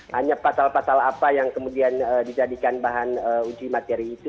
hanya pasal pasal apa yang kemudian dijadikan bahan uji materi itu